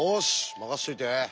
任せといて。